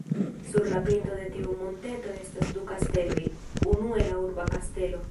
Sur la pinto de tiu monteto estas du kasteloj, unue la urba kastelo.